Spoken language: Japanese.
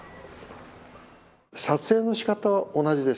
撮影のしかたは同じです。